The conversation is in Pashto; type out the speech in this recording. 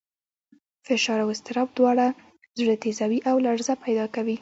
فشار او اضطراب دواړه زړه تېزوي او لړزه پیدا کوي.